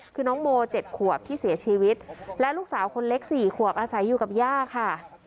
คือน้องโม๗ขวบที่เสียชีวิตและลูกสาวคนเล็ก๔ขวบอาศัยอยู่กับย่าค่ะ